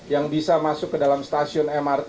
yang bisa masuk ke dalam stasiun mrt